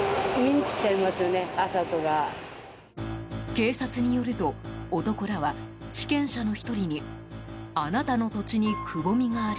警察によると、男らは地権者の１人にあなたの土地にくぼみがある。